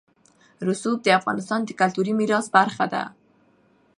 رسوب د افغانستان د کلتوري میراث برخه ده.